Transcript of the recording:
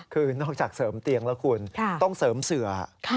คือนอกจากเสริมเตียงแล้วคุณต้องเสริมเสือ